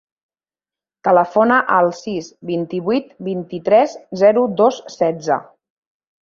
Telefona al sis, vint-i-vuit, vint-i-tres, zero, dos, setze.